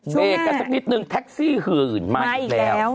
เบรกกันสักนิดนึงแท็กซี่หื่นมาอีกแล้ว